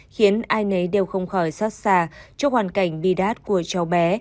khiến ai nấy đều không khỏi xót xa trước hoàn cảnh bi đát của cháu bé